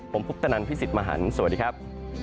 ผมพุทธนันพี่สิทธิ์มหันฯสวัสดีครับ